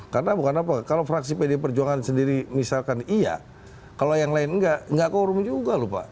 karena bukan apa kalau fraksi pd perjuangan sendiri misalkan iya kalau yang lain nggak nggak keurung juga lho pak